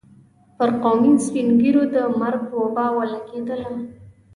پر قومي سپين ږيرو د مرګ وبا ولګېدله.